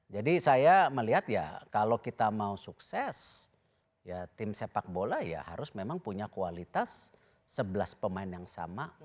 jadi saya melihat kalau kita mau sukses tim sepak bola harus memang punya kualitas sebelas pemain yang sama